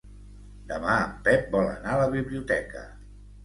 Demà en Pep vol anar a la biblioteca.